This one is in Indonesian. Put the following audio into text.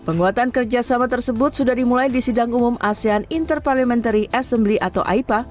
penguatan kerjasama tersebut sudah dimulai di sidang umum asean interparliamentary assembly atau aipa